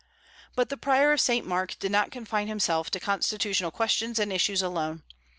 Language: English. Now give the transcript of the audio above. But the Prior of St. Mark did not confine himself to constitutional questions and issues alone.